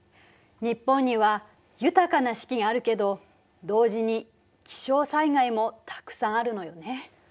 日本には豊かな四季があるけど同時に気象災害もたくさんあるのよね。